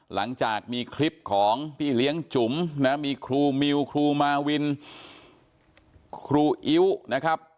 หลังจากมีคลิปของพี่เลี้ยงจุ๋มนะมีครูมิวครูมาวินครูอิ๊วนะครับ